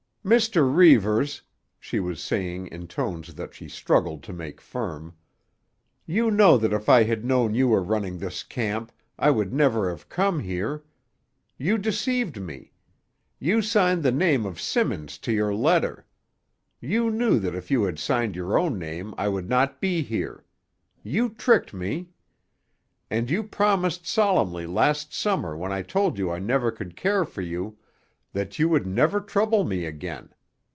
"Mr. Reivers," she was saying in tones that she struggled to make firm, "you know that if I had known you were running this camp I would never have come here. You deceived me. You signed the name of Simmons to your letter. You knew that if you had signed your own name I would not be here. You tricked me. "And you promised solemnly last Summer when I told you I never could care for you that you would never trouble me again.